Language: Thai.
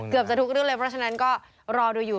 เกือบจะทุกเรื่องเลยเพราะฉะนั้นก็รอดูอยู่